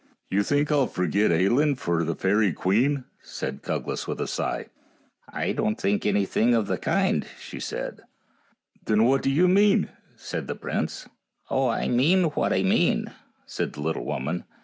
" You think I'll forget Ailinn for the fairy queen," said Cuglas, with a sigh. " I don't think anything of the kind," said she. " Then what do you mean? " said the prince. " Oh, I mean what I mean," said the little woman.